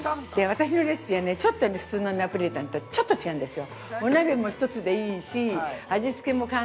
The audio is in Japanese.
◆私のレシピはね、ちょっと普通のナポリタンとちょっと違うんですよ。